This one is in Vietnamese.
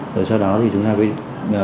rồi sau đó thì chúng ta mới